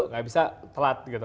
tidak bisa telat gitu